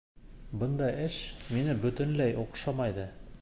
Бындай эш миңә бөтөнләй оҡшамай ҙа.